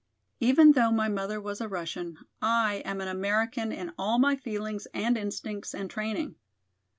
Even though my mother was a Russian, I am an American in all my feelings and instincts and training.